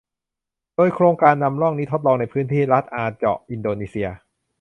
โดยโครงการนำร่องนี้ทดลองในพื้นที่รัฐอาเจะห์ อินโดนีเซีย